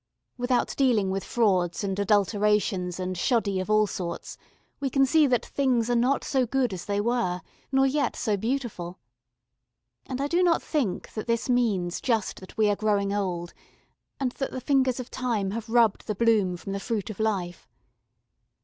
Without dealing with frauds and adulterations and shoddy of all sorts we can see that things are not so good as they were, nor yet so beautiful. And I do not think that this means just that we are growing old, and that the fingers of Time have rubbed the bloom from the fruit of Life.